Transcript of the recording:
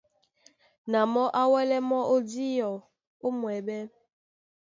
Na mɔ́ á wɛ́lɛ mɔ́ ó díɔ ó mwɛɓɛ́.